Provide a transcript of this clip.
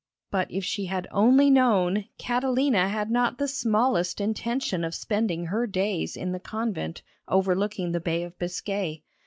But if she had only known, Catalina had not the smallest intention of spending her days in the convent overlooking the Bay of Biscay.